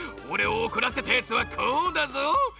おれをおこらせたやつはこうだぞ！